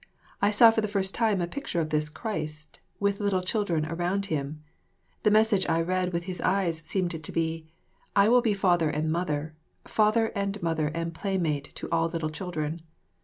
I saw for the first time a picture of this Christ, with little children around Him. The message I read within His eyes seemed to be: "I will be father and mother, father and mother and playmate to all little children."